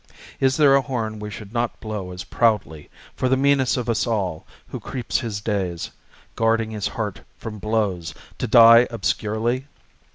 Is there a horn we should not blow as proudly For the meanest of us all, who creeps his days, Guarding his heart from blows, to die obscurely?